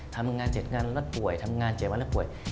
ทำงาน๗งานแล้วป่วยทำงาน๗วันแล้วป่วย